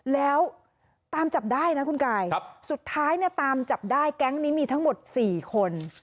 แล้วตามจับได้นะคุณกายสุดท้ายเนี่ยตามจับได้แก๊งนี้มีทั้งหมด๔คน